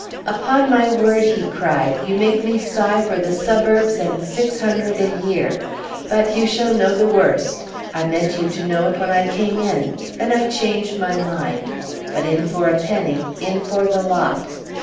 "Upon my word," he cried, "you make me sigh for the suburbs and six hundred a year! But you shall know the worst. I meant you to know it when I came in; then I changed my mind; but in for a penny, in for the lot!"